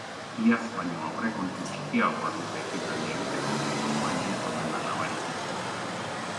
Iaz baino aurrekontu txikiagoa dute ekitaldia egiteko, baina ez omen da nabarituko.